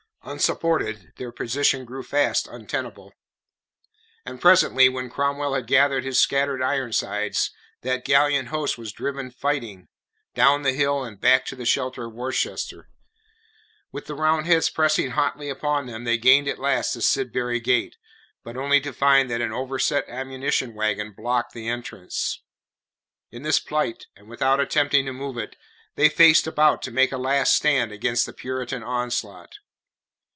Unsupported, their position grew fast untenable. And presently, when Cromwell had gathered his scattered Ironsides, that gallant host was driven fighting, down the hill and back to the shelter of Worcester. With the Roundheads pressing hotly upon them they gained at last the Sidbury Gate, but only to find that an overset ammunition wagon blocked the entrance. In this plight, and without attempting to move it, they faced about to make a last stand against the Puritan onslaught.